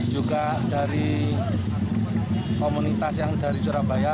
juga dari komunitas yang dari surabaya